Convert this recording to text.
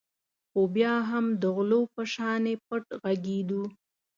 خو بیا هم د غلو په شانې پټ غږېدو.